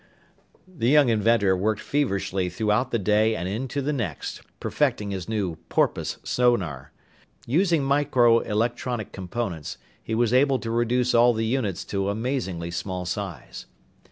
The young inventor worked feverishly throughout the day and into the next, perfecting his new "porpoise sonar." Using microelectronic components, he was able to reduce all the units to amazingly small size.